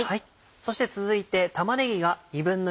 そして続いて。